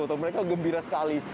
atau mereka gembira sekali